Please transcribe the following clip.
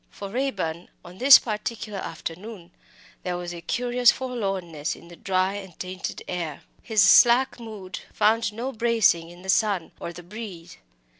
For Raeburn on this particular afternoon there was a curious forlornness in the dry and tainted air. His slack mood found no bracing in the sun or the breeze.